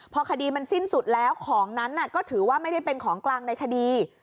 พอคดีมันสิ้นสุดแล้วของนั้นก็ถือว่าไม่ได้เป็นของกลางในคดี